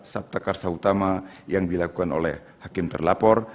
sabta karsa utama yang dilakukan oleh hakim terlapor